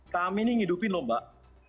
kami ini ngidupin lho mbak